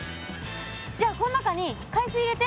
じゃあこの中に海水入れて。